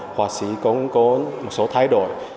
họa sĩ cũng có một số thay đổi